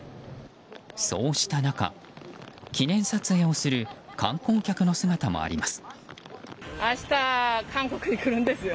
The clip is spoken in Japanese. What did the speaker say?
そうした中、記念撮影をする観光客の姿もあります。